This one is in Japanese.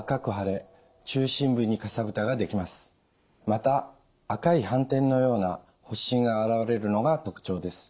また赤い斑点のような発疹が現れるのが特徴です。